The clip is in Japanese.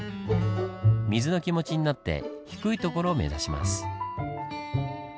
水の気持ちになって低い所を目指します。